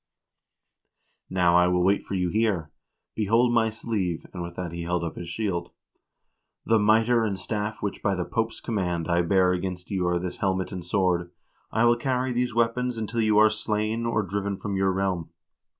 Now I will wait for you here. Behold my sleeve" (and with that he held up his shield) ; "the miter and staff which by the Pope's command I bear against you are this hel met and sword; I will carry these weapons until you are slain or driven from your realm."